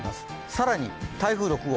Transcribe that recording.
更に台風６号